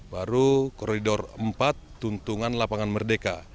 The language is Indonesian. baru koridor empat tuntungan lapangan merdeka